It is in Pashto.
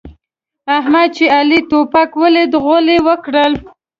احمد چې علي توپک وليد؛ غول يې وکړل.